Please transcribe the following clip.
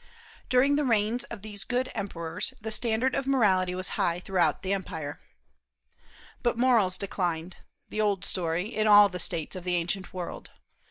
During the reigns of these good emperors the standard of morality was high throughout the empire. But morals declined, the old story in all the States of the ancient world.